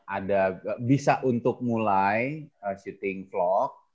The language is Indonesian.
ada bisa untuk mulai syuting vlog